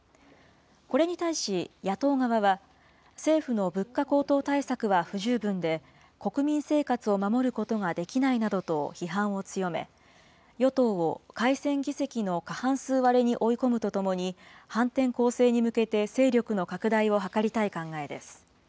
これに対し、野党側は、政府の物価高騰対策は不十分で、国民生活を守ることができないなどと批判を強め、与党を改選議席の過半数割れに追い込むとともに、反転攻勢に向けて、勢力の拡大を図りたい考えです。